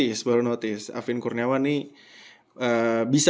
ini orang ternyata bisa